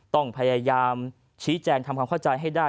ต้องพยายามชี้แจงทำความเข้าใจให้ได้